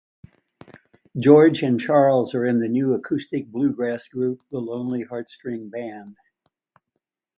George and Charles are in the new acoustic bluegrass group The Lonely Heartstring Band.